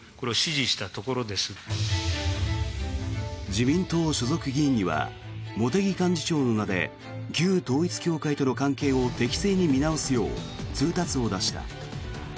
自民党所属議員には茂木幹事長の名で旧統一教会との関係を適正に見直すよう通達を出した。